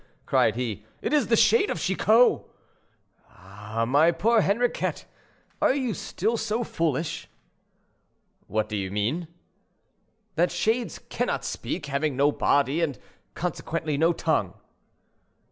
cried he; "it is the shade of Chicot." "Ah! my poor Henriquet, are you still so foolish?" "What do you mean?" "That shades cannot speak, having no body, and consequently no tongue."